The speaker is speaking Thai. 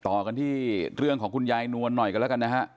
ต่อกันที่เรื่องของคุณยายนวลหน่อยกันแล้วกันนะฮะ